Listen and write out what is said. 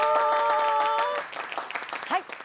はい。